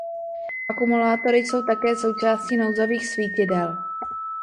Akumulátory jsou také součástí nouzových svítidel.